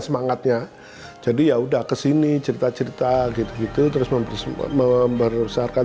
semangatnya jadi ya udah kesini cerita cerita gitu gitu terus memberi merusakkan